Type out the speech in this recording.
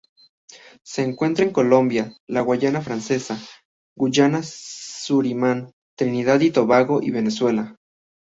Se encuentra en Colombia, la Guayana francesa, Guyana, Surinam, Trinidad y Tobago y Venezuela.